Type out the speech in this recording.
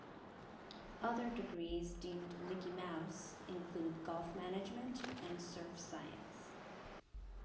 Other degrees deemed "Mickey Mouse" include "golf management" and "surf science.